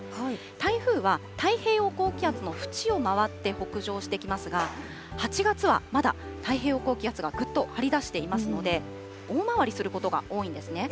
台風は太平洋高気圧の縁を回って北上してきますが、８月はまだ太平洋高気圧がぐっと張り出していますので、大回りすることが多いんですね。